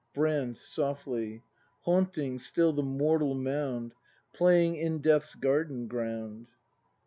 Brand. [Softly.] Haunting still the mortal mound. Playing in Death's garden ground.